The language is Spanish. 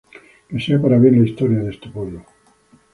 Que sea para bien la historia de este pueblo.